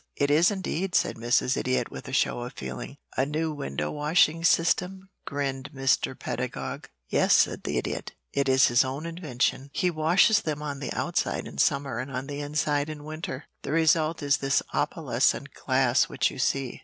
"It is, indeed," said Mrs. Idiot, with a show of feeling. "A new window washing system?" grinned Mr. Pedagog. "Yes," said the Idiot. "It is his own invention. He washes them on the outside in summer and on the inside in winter. The result is this opalescent glass which you see.